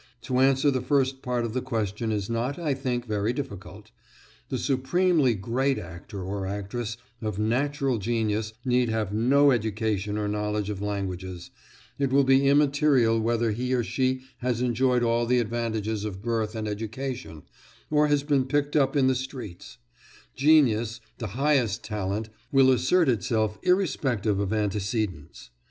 To answer the first part of the question is not, I think, very difficult. The supremely great actor or actress of natural genius need have no education or knowledge of languages; it will be immaterial whether he or she has enjoyed all the advantages of birth and education or has been picked up in the streets; genius, the highest talent, will assert itself irrespective of antecedents.